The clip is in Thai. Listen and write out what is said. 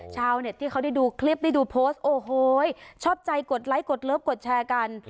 ชาวเน็ตที่เขาได้ดูคลิปได้ดูโพสต์โอ้โหชอบใจกดไลค์กดเลิฟกดแชร์กัน